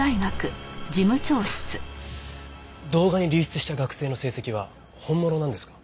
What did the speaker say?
動画に流出した学生の成績は本物なんですか？